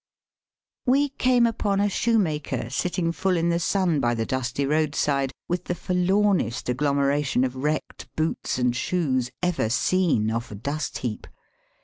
We came upon a shoemaker sitting full in the sun by the dusty roadside with the forlomest agglomeration of wrecked boots and shoes ever seen off a dust heap.